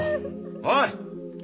おい！